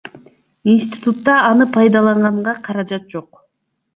Институтта аны пайдаланганга каражат жок.